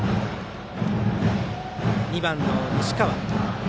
２番の西川。